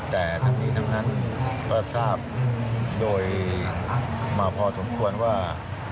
แต่ทั้งนี้ทั้งนั้นก็ทราบโดยมาพอสมควรว่า